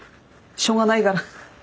しょうがないから。